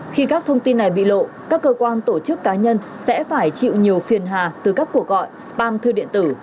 khi các thông tin này bị lộ các cơ quan tổ chức cá nhân sẽ phải chịu nhiều phiền hà từ các cuộc gọi spam thư điện tử